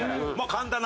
簡単な。